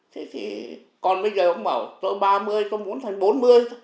thế thì còn bây giờ ông bảo tôi ba mươi tôi muốn thành bốn mươi thôi